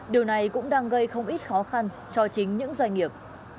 điều này cũng đang gây không ít khó khăn cho chính những doanh nghiệp